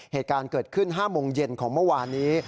เหตุการณ์เกิดขึ้น๕โมงเย็นของเมื่อวานนี้